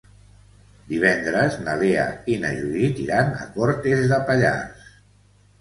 Divendres na Lea i na Judit iran a Cortes de Pallars.